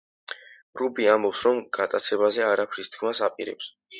რუბი ამბობს, რომ გატაცებაზე არაფრის თქმას აპირებს.